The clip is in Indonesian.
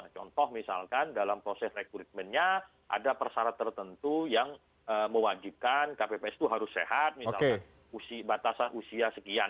contoh misalkan dalam proses rekrutmennya ada persyarat tertentu yang mewajibkan kpps itu harus sehat misalnya batasan usia sekian